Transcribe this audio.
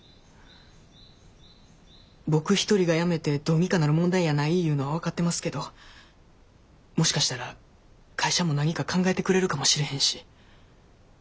僕一人がやめてどうにかなる問題やないいうのは分かってますけどもしかしたら会社も何か考えてくれるかもしれへんし。